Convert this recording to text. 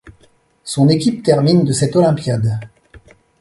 Son équipe termine de cette olympiade.